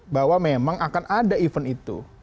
bahwa memang akan ada event itu